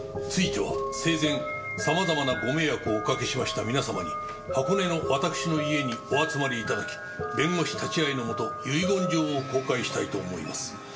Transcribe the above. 「ついては生前様々な御迷惑をおかけしました皆様に箱根の私の家にお集まり頂き弁護士立ち会いのもと遺言状を公開したいと思います」